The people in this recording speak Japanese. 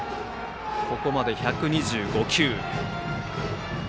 ここまで１２５球。